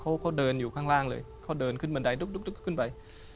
เขาเขาเดินอยู่ข้างล่างเลยเขาเดินขึ้นบันไดดุ๊กดุ๊กขึ้นไป